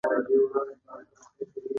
افغان تل د ازادۍ لپاره مبارزه کړې ده.